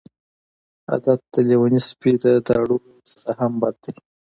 عادت د لیوني سپي د داړلو نه هم بد دی.